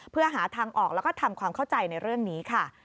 เพื่อหาทางออกแล้วก็ทำความเข้าใจในเรื่องนี้ค่ะ